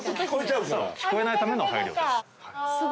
聞こえないための配慮です。